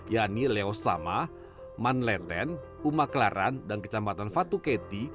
yakni leosama manleten umaklaran dan kecamatan fatuketi